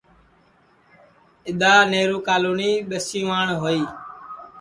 اور اِدؔا نیہرو کالونی ٻسیوان ہوئی